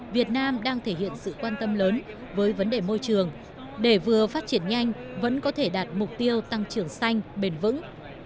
việt nam đang thể hiện sự quan tâm lớn với vấn đề môi trường để vừa phát triển nhanh vẫn có thể đạt mục tiêu tăng trưởng xanh bền vững